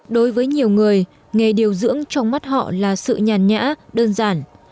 đối với nhiều người nghề điều dưỡng trong mắt họ là sự nhàn nhã đơn giản